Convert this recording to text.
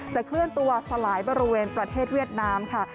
เคลื่อนตัวสลายบริเวณประเทศเวียดนามค่ะ